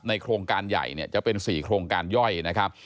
โครงการใหญ่เนี่ยจะเป็น๔โครงการย่อยนะครับ